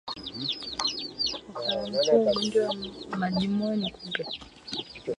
Wakala mkuu wa ugonjwa wa majimoyo ni kupe